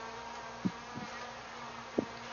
存敬修盟而退。